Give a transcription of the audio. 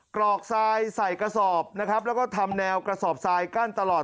กรอกทรายใส่กระสอบนะครับแล้วก็ทำแนวกระสอบทรายกั้นตลอด